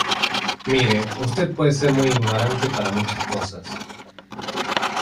mire, usted puede ser muy ignorante para muchas cosas ,